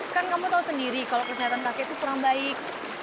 kan kamu tahu sendiri kalau kesehatan kakek itu kurang baik